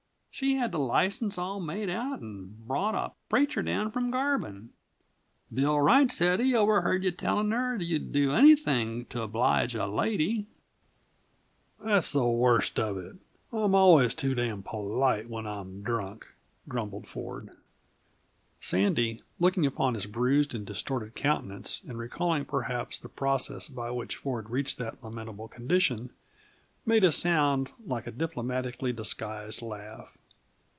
She had the license all made out and brought a preacher down from Garbin. Bill Wright said he overheard you tellin' her you'd do anything to oblige a lady " "That's the worst of it; I'm always too damned polite when I'm drunk!" grumbled Ford. Sandy, looking upon his bruised and distorted countenance and recalling, perhaps, the process by which Ford reached that lamentable condition, made a sound like a diplomatically disguised laugh.